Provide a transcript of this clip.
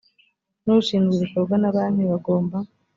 n ushinzwe ibikorwa ba banki bagomba